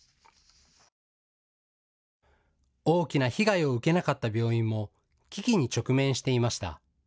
大きな被害を受けなかった病院も危機に直面していました。